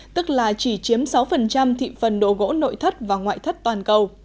tức là chỉ chiếm sáu thị phần đồ gỗ nội thất và ngoại thất toàn cầu